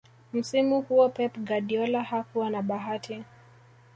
msimu huo pep guardiola hakuwa na bahati